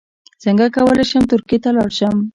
څنګه کولی شم ترکیې ته لاړ شم